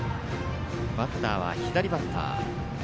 バッターは左バッター。